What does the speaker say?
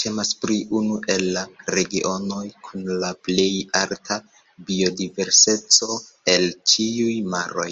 Temas pri unu el la regionoj kun la plej alta biodiverseco el ĉiuj maroj.